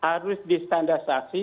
harus disandar stasi